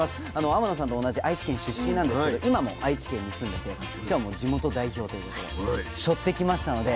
天野さんと同じ愛知県出身なんですけど今も愛知県に住んでて今日はもう地元代表ということで背負ってきましたので。